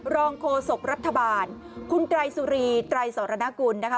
โคศกรัฐบาลคุณไตรสุรีไตรสรณกุลนะคะ